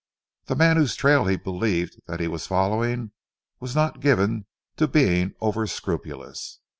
The man whose trail he believed that he was following was not given to being over scrupulous.